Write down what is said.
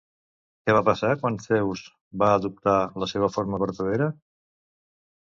Què va passar quan Zeus va adoptar la seva forma vertadera?